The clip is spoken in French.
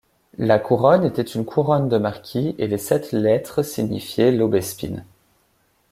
La couronne était une couronne de marquis et les sept lettres signifiaient Laubespine.